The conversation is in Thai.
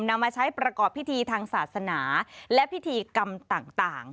นำมาใช้ประกอบพิธีทางศาสนาและพิธีกรรมต่าง